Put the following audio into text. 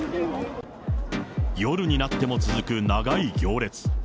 夜になっても続く長い行列。